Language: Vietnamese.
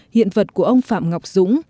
hiện vật của ông phạm ngọc dũng